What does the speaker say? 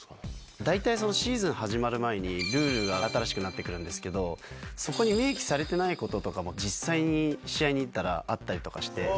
大体、シーズン始まる前に、ルールが新しくなってくるんですけど、そこに明記されてないこととかも、実際に試合に行ったらあったりとかして。